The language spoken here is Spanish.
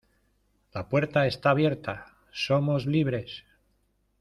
La puerta. ¡ está abierta! ¡ somos libres !